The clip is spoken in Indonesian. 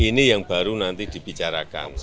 ini yang baru nanti dibicarakan